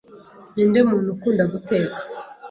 Ninde muntu ukunda guteka?